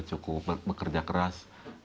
dia cukup bekerja keras